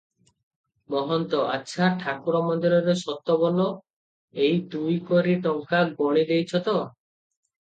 ମହନ୍ତ- ଆଚ୍ଛା, ଠାକୁର ମନ୍ଦିରରେ ସତ ବୋଲ, ଏକ ଦୁଇ କରି ଟଙ୍କା ଗଣି ଦେଇଛ ତ?